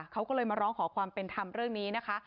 เขาก็เลยมาร้องขอความเป็นธรรมเรื่องนี้นะคะ